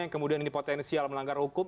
yang kemudian ini potensial melanggar hukum